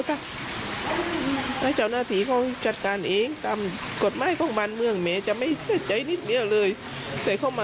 ถ้าสมมุติว่าเขาจับตัวได้หรืออะไรก็แล้วแต่เขามีข้ออ้างของเขา